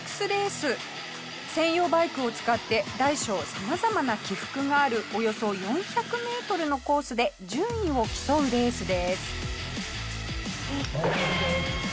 専用バイクを使って大小様々な起伏があるおよそ４００メートルのコースで順位を競うレースです。